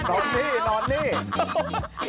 นอนนี่นอนนี่